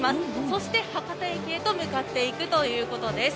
そして博多駅へと向かっていくということです。